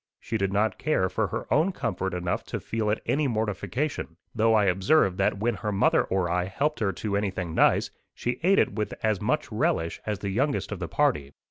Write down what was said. She did not care for her own comfort enough to feel it any mortification; though I observed that when her mother or I helped her to anything nice, she ate it with as much relish as the youngest of the party.